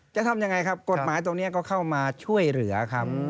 จะทำยังไงครับกฎหมายตรงนี้ก็เข้ามาช่วยเหลือครับ